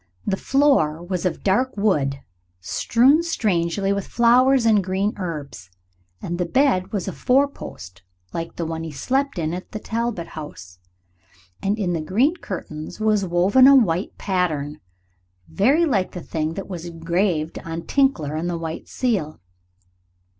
The floor was of dark wood, strewn strangely with flowers and green herbs, and the bed was a four post bed like the one he had slept in at Talbot House; and in the green curtains was woven a white pattern, very like the thing that was engraved on Tinkler and on the white seal.